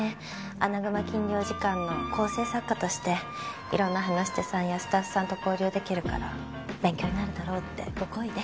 『アナグマ禁猟時間』の構成作家としていろんな話し手さんやスタッフさんと交流できるから勉強になるだろうってご厚意で。